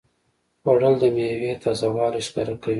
خوړل د میوې تازهوالی ښکاره کوي